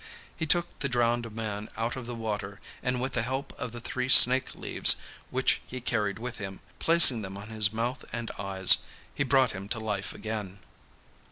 He took the drowned man out of the water, and with the help of the three snake leaves which he carried with him, placing them on his mouth and eyes, he brought him to life again.